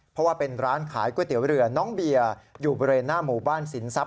เพราะว่าเป็นร้านขายก๋วยเตี๋ยวเรือน้องเบียร์อยู่บริเวณหน้าหมู่บ้านสินทรัพย